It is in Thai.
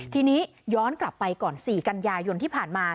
ทีนี้ย้อนกลับไปก่อน๔กันยายนที่ผ่านมา